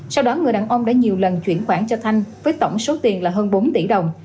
sau đó người đàn ông đã nhiều lần chuyển khoản cho thanh với tổng số tiền là hơn bốn tỷ đồng